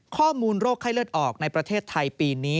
โรคไข้เลือดออกในประเทศไทยปีนี้